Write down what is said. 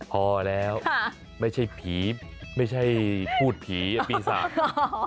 พอแล้วไม่ใช่ผีไม่ใช่พูดผีปีศาจ